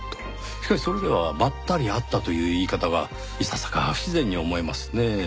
しかしそれでは「ばったり会った」という言い方がいささか不自然に思えますねぇ。